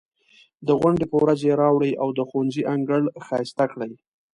د غونډې په ورځ یې راوړئ او د ښوونځي انګړ ښایسته کړئ.